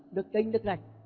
được kinh được rạch